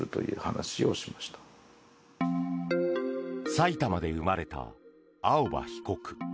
埼玉で生まれた青葉被告。